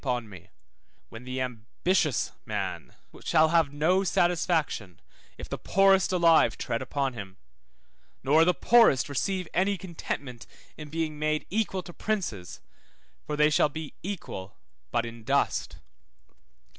upon me; when the ambitious man shall have no satisfaction, if the poorest alive tread upon him, nor the poorest receive any contentment in being made equal to princes, for they shall be equal but in dust.